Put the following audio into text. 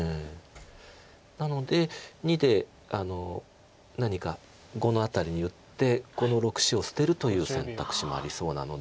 なので②で何か⑤の辺りに打ってこの６子を捨てるという選択肢もありそうなので。